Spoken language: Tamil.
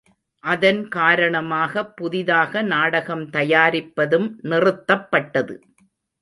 அதன் காரணமாகப் புதிதாக நாடகம் தயாரிப்பதும் நிறுத்தப்பட்டது.